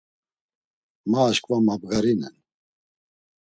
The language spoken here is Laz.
Ma aşǩva mabgarinen.